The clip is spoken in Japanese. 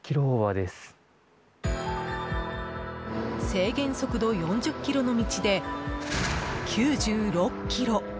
制限速度４０キロの道で９６キロ。